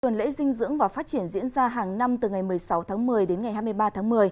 tuần lễ dinh dưỡng và phát triển diễn ra hàng năm từ ngày một mươi sáu tháng một mươi đến ngày hai mươi ba tháng một mươi